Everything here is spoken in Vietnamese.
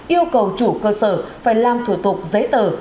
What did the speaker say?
yêu cầu chủ cơ sở phải làm thủ tục giấy tờ